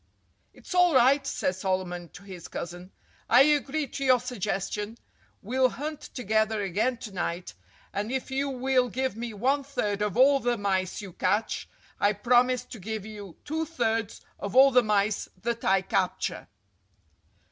"It's all right!" said Solomon to his cousin. "I agree to your suggestion. We'll hunt together again to night; and if you will give me one third of all the mice you catch, I promise to give you two thirds of all the mice that I capture."